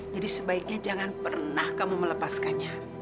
jadi sebaiknya jangan pernah kamu melepaskannya